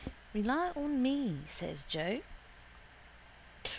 —Rely on me, says Joe.